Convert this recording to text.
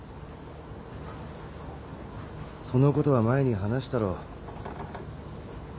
そのことは前に話したろ。